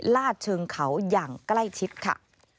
ลาดเชิงเขาอย่างใกล้ชิดค่ะ